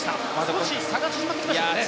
少し差が縮まってきましたね。